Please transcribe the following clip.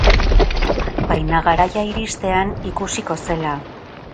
Baina garaia iristean ikusiko zela.